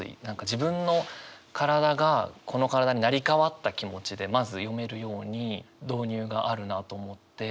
自分の体がこの体に成り代わった気持ちでまず読めるように導入があるなと思って。